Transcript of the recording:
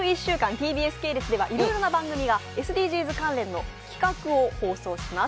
ＴＢＳ系列ではいろいろな番組がＳＤＧｓ関連の企画を放送します。